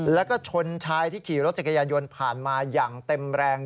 แล้วก็ชนชายที่ขี่รถจักรยานยนต์ผ่านมาอย่างเต็มแรง